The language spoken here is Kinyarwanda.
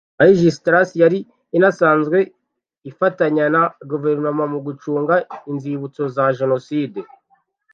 Aegis Trust yari inasanzwe ifatanya na guverinoma mu gucunga inzibutso za Jenoside